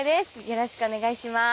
よろしくお願いします。